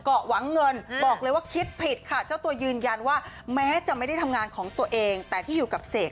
หวังเงินบอกเลยว่าคิดผิดค่ะเจ้าตัวยืนยันว่าแม้จะไม่ได้ทำงานของตัวเองแต่ที่อยู่กับเสก